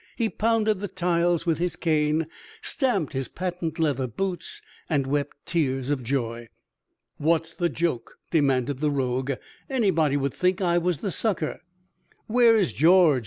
He pounded the tiles with his cane, stamped his patent leather boots, and wept tears of joy. "What's the joke?" demanded the rogue. "Anybody would think I was the sucker." "Where is George?"